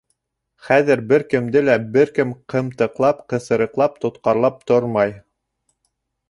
Хәҙер бер кемде лә бер кем ҡымтыҡлап, ҡыҫырыҡлап, тотҡарлап тормай.